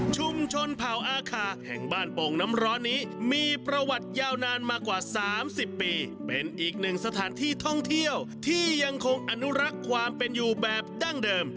เผ่าอาคาแห่งบ้านโป่งน้ำร้อนนี้มีประวัติยาวนานมากว่า๓๐ปีเป็นอีกหนึ่งสถานที่ท่องเที่ยวที่ยังคงอนุรักษ์ความเป็นอยู่แบบดั้งเดิม